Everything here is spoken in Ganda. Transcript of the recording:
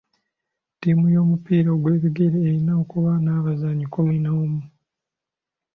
Ttiimu y'omupiira ogw'ebigere erina okuba n'abazannyi kkumi n'omu.